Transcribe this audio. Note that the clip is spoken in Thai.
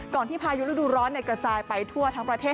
ก่อนที่พายุรูดูร้อนเนี่ยกระจายไปทั่วทั้งประเทศ